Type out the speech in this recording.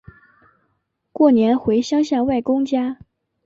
过年回乡下外公家